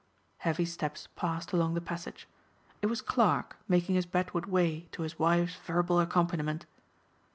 Heavy steps passed along the passage. It was Clarke making his bedward way to his wife's verbal accompaniment.